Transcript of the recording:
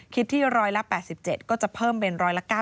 คิดที่๑๘๗ก็จะเพิ่มเป็น๑๙